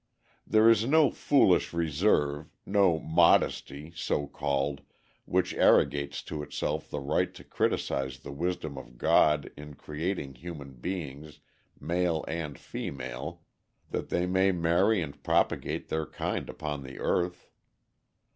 There is no foolish reserve, no "modesty," so called, which arrogates to itself the right to criticise the wisdom of God in creating human beings male and female that they may marry and propagate their kind upon the earth.